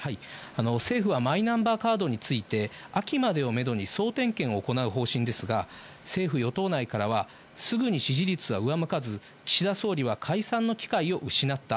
政府はマイナンバーカードについて、秋までをメドに総点検を行う方針ですが、政府・与党内からは、すぐに支持率は上向かず、岸田総理は解散の機会を失った。